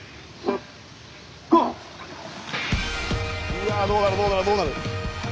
うわどうなるどうなるどうなる。